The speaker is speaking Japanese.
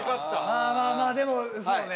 まあまあまあでもそうね